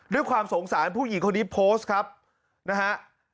ด้วยความสงสารผู้หญิงคนนี้โพสต์ครับนะฮะ